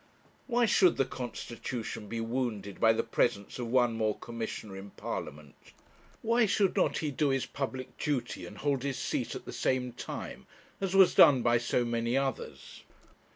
Why should the constitution be wounded by the presence of one more commissioner in Parliament? Why should not he do his public duty and hold his seat at the same time, as was done by so many others?